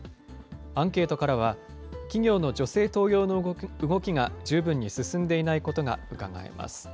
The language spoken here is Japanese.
アンケートからは、企業の女性登用の動きが十分に進んでいないことがうかがえます。